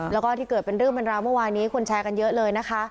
แล้วก็ที่เกิดเป็นเรื่องเป็นราวเมื่อวานนี้คนแชร์กันเยอะเลยนะคะ